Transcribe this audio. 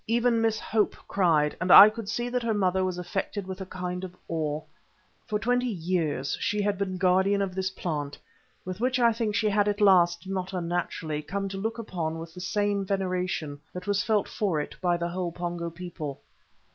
Even Miss Hope cried, and I could see that her mother was affected with a kind of awe. For twenty years she had been guardian of this plant, which I think she had at last not unnaturally come to look upon with some of the same veneration that was felt for it by the whole Pongo people.